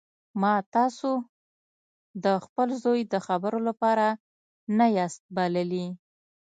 ما تاسو د خپل زوی د خبرو لپاره نه یاست بللي